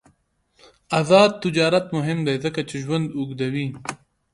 آزاد تجارت مهم دی ځکه چې ژوند اوږدوي.